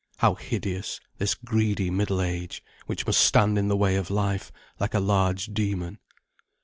How hideous, this greedy middle age, which must stand in the way of life, like a large demon.